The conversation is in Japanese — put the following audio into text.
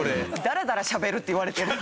「ダラダラしゃべる」って言われてる。